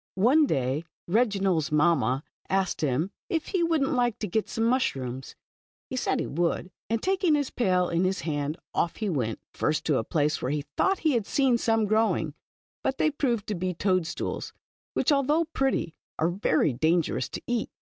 o XE day Reginald's mamma asked him if he would n't like to get some mushrooms= He said he would, and taking his pail in his hand, off he went. First to a place where he thought he had seen some growing, but they proved to be toad stools, which, although pretty, are very dan gerous to eat.